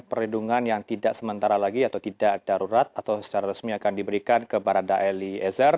perlindungan yang tidak sementara lagi atau tidak darurat atau secara resmi akan diberikan ke barada eliezer